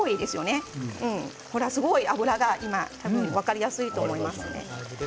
ほら、すごい油が分かりやすいと思いますね。